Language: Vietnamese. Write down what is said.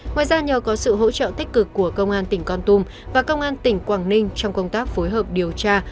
ngoài ra nhờ có sự hỗ trợ tích cực của công an tỉnh con tum và công an tỉnh quảng ninh trong công tác phối hợp điều tra